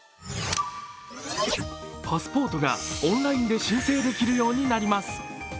パスポートがオンラインで申請できるようになります。